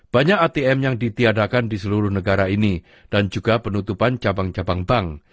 banyak atm yang ditiadakan di seluruh negara ini dan juga penutupan cabang cabang bank